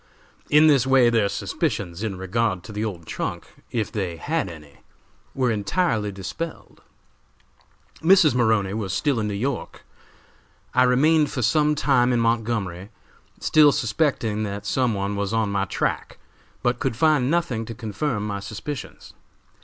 In this way their suspicions in regard to the old trunk, if they had any, were entirely dispelled. "Mrs. Maroney was still in New York. I remained for some time in Montgomery, still suspecting that some one was on my track, but could find nothing to confirm my suspicions.